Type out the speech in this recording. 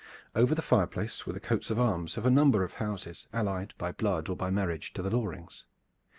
Over the fireplace were the coats of arms of a number of houses allied by blood or by marriage to the Lorings.